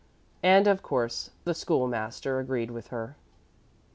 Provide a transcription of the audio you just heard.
And of course the School master agreed with her.